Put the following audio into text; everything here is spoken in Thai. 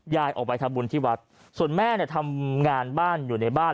ยายออกไปทำบุญที่วัดส่วนแม่เนี่ยทำงานบ้านอยู่ในบ้าน